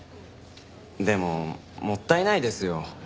でももったいないですよ。